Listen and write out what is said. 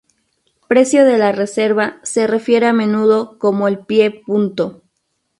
Precio de la reserva se refiere a menudo como el "pie" punto.